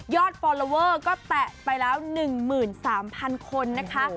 ฟอลลอเวอร์ก็แตะไปแล้ว๑๓๐๐คนนะคะ